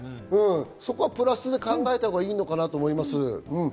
そこはプラスに考えたほうがいいのかなと思います。